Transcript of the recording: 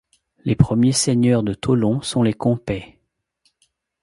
Les premiers seigneurs de Thollon sont les Compeys.